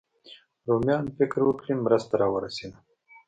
رومیان فکر وکړي مرسته راورسېده.